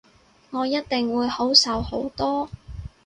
我一定會好受好多